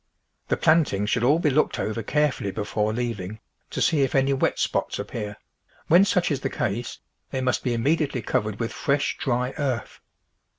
The planting should all be looked over carefully before leaving to see if any wet spots appear; when such is the case, they must be immediately covered with fresh, dry earth.